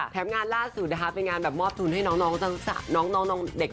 แถมงานล่าสือเป็นงานมอบทุนให้น้องเด็ก